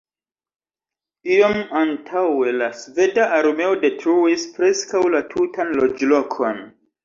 Iom antaŭe la sveda armeo detruis preskaŭ la tutan loĝlokon.